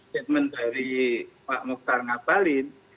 statement dari pak mokhtar ngabalin